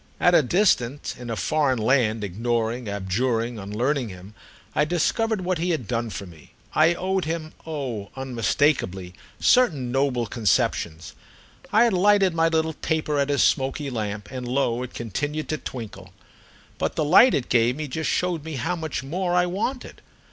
At a distance, in a foreign land, ignoring, abjuring, unlearning him, I discovered what he had done for me. I owed him, oh unmistakeably, certain noble conceptions; I had lighted my little taper at his smoky lamp, and lo it continued to twinkle. But the light it gave me just showed me how much more I wanted.